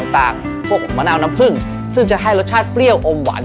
ต่างพวกมะนาวน้ำผึ้งซึ่งจะให้รสชาติเปรี้ยวอมหวาน